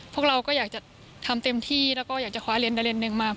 พวกเราก็อยากจะทำเต็มที่แล้วก็อยากจะคว้าเรียนประเด็นหนึ่งมา